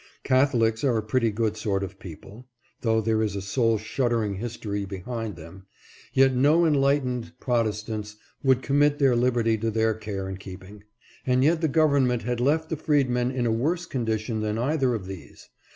Cath olics are a pretty good sort of people (though there is a soul shuddering history behind them), yet no enlightened Protestants would commit their liberty to their care and keeping. And yet the government had left the freedmen in a worse condition than either of these.